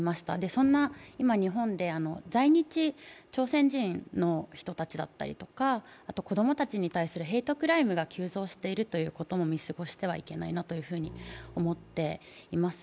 そんな今、日本で、在日朝鮮人の人たちだったりとか、子供たちに対するヘイトクライムが急増していることも見過ごしてはいけないなと思っております。